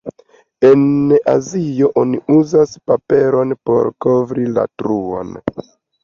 En Azio oni uzis paperon por kovri la truon.